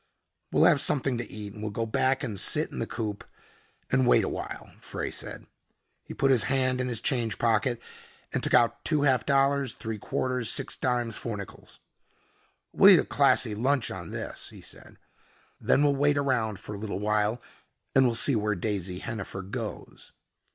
"We'll have something to eat and we'll go back and sit in the coupe and wait a while," Frey said. He put his hand in his change pocket and took out two half dollars, three quarters, six dimes, four nickels. "We'll eat a classy lunch on this," he said. "Then we'll wait around for a little while and we'll see where Daisy Hennifer goes."